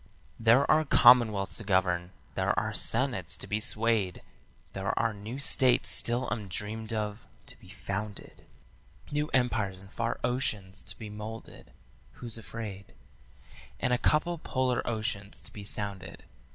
"There are commonwealths to govern, there are senates to be swayed, There are new states still undreamed of to be founded, New empires in far oceans to be moulded who's afraid? And a couple polar oceans to be sounded.